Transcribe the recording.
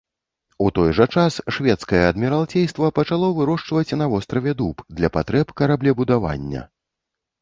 У той жа час шведскае адміралцейства пачало вырошчваць на востраве дуб для патрэб караблебудавання.